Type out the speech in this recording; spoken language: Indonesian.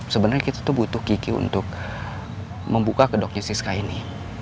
sebenarnya kita tuh butuh gigi untuk membuka kedoknya siska ini